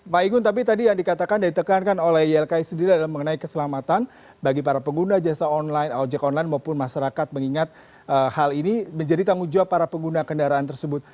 pak igun tapi tadi yang dikatakan dan ditekankan oleh ylki sendiri adalah mengenai keselamatan bagi para pengguna jasa online ojek online maupun masyarakat mengingat hal ini menjadi tanggung jawab para pengguna kendaraan tersebut